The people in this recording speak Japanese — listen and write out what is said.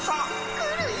来るよ！